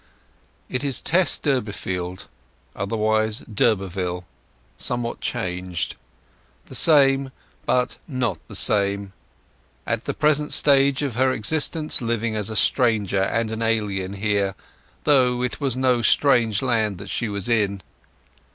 It is Tess Durbeyfield, otherwise d'Urberville, somewhat changed—the same, but not the same; at the present stage of her existence living as a stranger and an alien here, though it was no strange land that she was in.